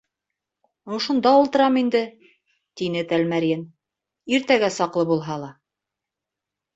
—Ошонда ултырам инде, —тине Тәлмәрйен, —иртәгә саҡлы булһа ла...